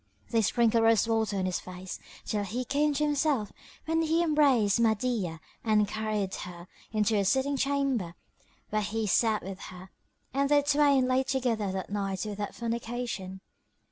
They sprinkled rose water on his face, till he came to himself, when he embraced Mahdiyah and carried her into a sitting chamber, where he sat with her; and they twain lay together that night without fornication.